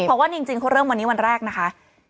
เพราะว่าจริงเขาเริ่มวันนี้วันแรกนะคะ